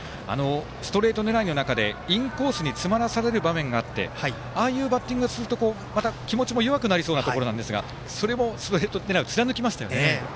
ストレート狙いの中でインコースに詰まらされる場面があってああいうバッティングが続くとまた気持ちも弱くなりそうなところでしたがストレート狙いを貫きましたよね。